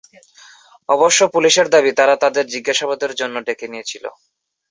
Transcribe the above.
অবশ্য পুলিশের দাবি তারা তাদের জিজ্ঞাসাবাদের জন্য ডেকে নিয়েছিল।